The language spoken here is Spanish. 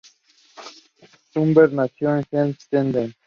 Schubert nació en Helmstedt.